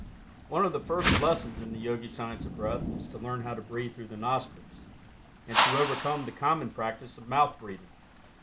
One of the first lessons in the Yogi Science of Breath, Is to learn how to breathe through the nostrils, and to overcome the common practice of mouth breathing.